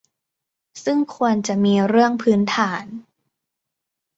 ซึ่งควรจะมีเรื่องพื้นฐาน